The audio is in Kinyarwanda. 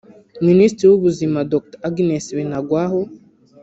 Minisitiri w’Ubuzima Dr Agnes Binagwaho